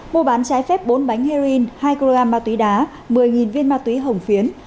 mua bán trái phép bốn bánh heroin hai kg ma túy đá một mươi viên ma túy hồng phiến